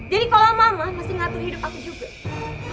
jadi kalau mama masih ngatur hidup aku juga